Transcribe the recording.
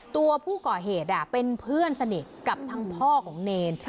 ตัวผู้ก่อเหตุเป็นเพื่อนสนิทกับทางพ่อของเนร